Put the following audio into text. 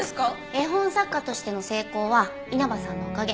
絵本作家としての成功は稲葉さんのおかげ。